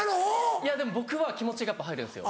いやでも僕は気持ちがやっぱ入るんですよ。